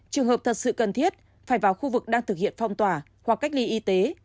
trường hợp thật sự cần thiết phải vào khu vực đang thực hiện phong tỏa hoặc cách ly y tế